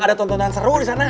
ada tontonan seru disana